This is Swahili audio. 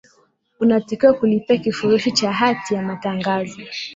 unatakiwa kulipia kifurushi cha hati ya matangazo